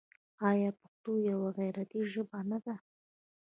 آیا پښتو یوه غیرتي ژبه نه ده؟